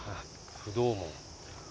不動門。